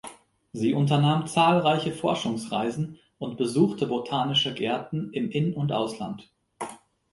Sie unternahm zahlreiche Forschungsreisen und besuchte botanische Gärten im In- und Ausland.